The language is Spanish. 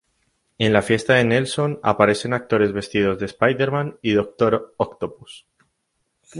En la fiesta de Nelson aparecen actores vestidos de Spider-Man y Doctor Octopus.